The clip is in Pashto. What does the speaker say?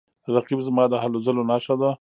رقیب زما د هلو ځلو نښه ده